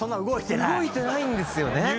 動いてないんですよね。